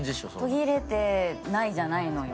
途切れてないじゃないのよ